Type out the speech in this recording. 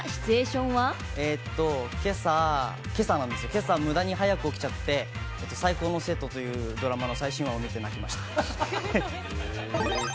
今朝、無駄に早く起きちゃって、『最高の生徒』というドラマの最新話を見て泣きました。